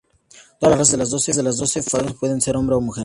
Todas las razas de las dos facciones pueden ser hombre o mujer.